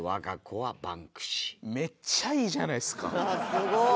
すごい！